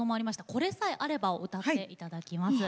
「これさえあれば」を歌っていただきます。